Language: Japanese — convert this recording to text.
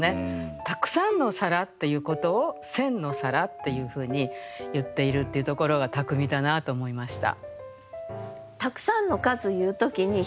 「たくさんの皿」っていうことを「千の皿」っていうふうに言っているっていうところが巧みだなと思いました。